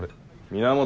源！